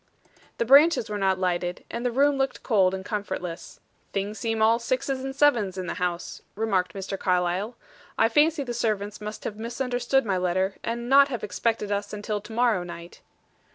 The branches were not lighted, and the room looked cold and comfortless. "Things seem all sixes and sevens in the house," remarked Mr. Carlyle. "I fancy the servants must have misunderstood my letter, and not have expected us until to morrow night."